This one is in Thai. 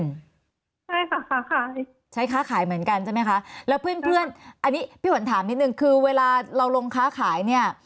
ใช่ค่ะค้าขายใช้ค้าขายเหมือนกันใช่ไหมคะแล้วเพื่อนเพื่อนอันนี้พี่ฝนถามนิดนึงคือเวลาเราลงค้าขายเนี่ย